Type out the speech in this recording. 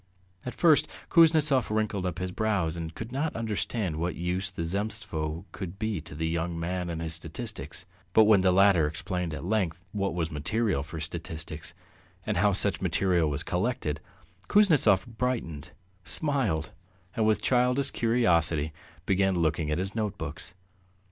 At first Kuznetsov wrinkled up his brows and could not understand what use the Zemstvo could be to the young man and his statistics; but when the latter explained at length what was material for statistics and how such material was collected, Kuznetsov brightened, smiled, and with childish curiosity began looking at his notebooks.